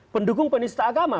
pendukung penista agama